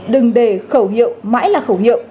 đừng để khẩu hiệu mãi là khẩu hiệu